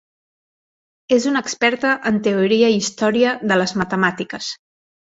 És una experta en teoria i història de les matemàtiques.